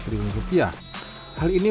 triliun rupiah hal ini